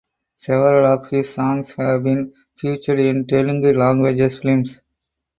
Several of his songs have been featured in Telegu language films.